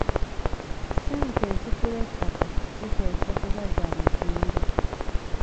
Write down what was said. Ssente ezigula ettaka ziteekwa kuba za muzindo.